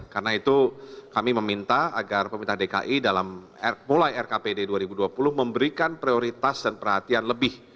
karena itu kami meminta agar pemintah dki dalam mulai rkpd dua ribu dua puluh memberikan prioritas dan perhatian lebih